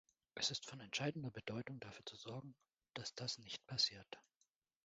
Es ist von entscheidender Bedeutung, dafür zu sorgen, dass das nicht passiert.